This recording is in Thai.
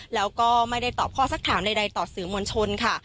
แล้วก็ไม่ได้ตอบข้อสักถามใดต่อสื่อมวลชนค่ะ